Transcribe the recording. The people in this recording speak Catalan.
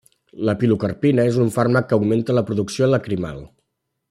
La pilocarpina és un fàrmac que augmenta la producció lacrimal.